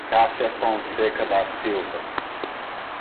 Cassia Fonseca da Silva